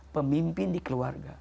pemimpin di keluarga